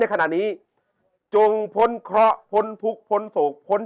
ชื่องนี้ชื่องนี้ชื่องนี้ชื่องนี้ชื่องนี้